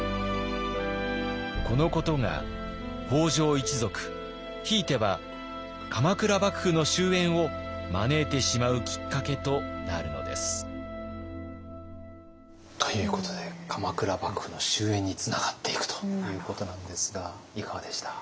このことが北条一族ひいては鎌倉幕府の終えんを招いてしまうきっかけとなるのです。ということで鎌倉幕府の終えんにつながっていくということなんですがいかがでした？